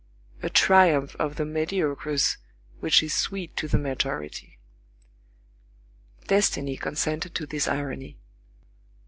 A triumph of the mediocres which is sweet to the majority. Destiny consented to this irony.